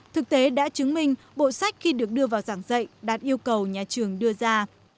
thực tế đã chứng minh bộ sách khi được đưa vào giảng dạy đạt yêu cầu nhà trường đưa ra